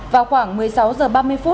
vào khoảng một mươi sáu h ba mươi